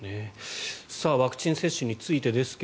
ワクチン接種についてですが